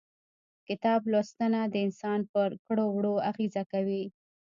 کتاب لوستنه د انسان پر کړو وړو اغيزه کوي.